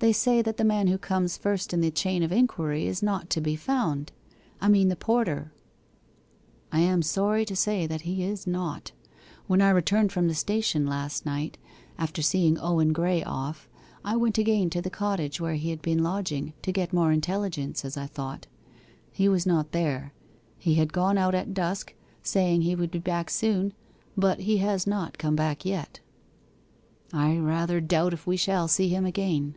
They say that the man who comes first in the chain of inquiry is not to be found I mean the porter.' 'I am sorry to say that he is not. When I returned from the station last night, after seeing Owen Graye off, I went again to the cottage where he has been lodging, to get more intelligence, as I thought. He was not there. He had gone out at dusk, saying he would be back soon. But he has not come back yet.' 'I rather doubt if we shall see him again.